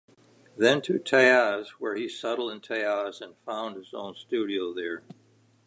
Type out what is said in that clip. Then to Taiz where he settled in Taiz and founded his own studio there.